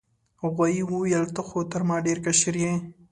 غوايي وویل ته خو تر ما ډیر کشر یې.